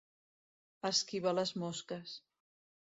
Esquivar les mosques.